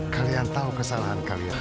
kalian tau kesalahan kalian